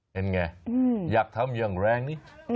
เป็นไงอยากทำอย่างแรงนี้